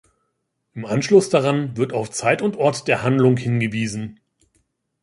Im Anschluss daran wird auf Zeit und Ort der Handlung hingewiesen.